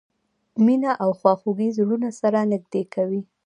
مینه او خواخوږي زړونه سره نږدې کوي.